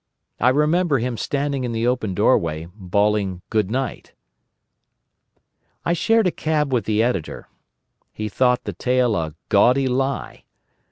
I remember him standing in the open doorway, bawling good night. I shared a cab with the Editor. He thought the tale a "gaudy lie."